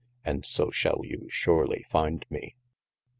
and so shall you surely finde me.